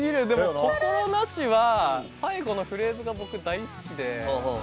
でも、「心做し」は最後のフレーズが僕、大好きで。